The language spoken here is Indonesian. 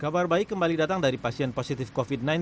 kabar baik kembali datang dari pasien positif covid sembilan belas